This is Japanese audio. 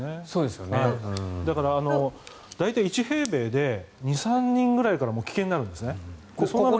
だから、大体１平米で２３人くらいからもう危険になるんです。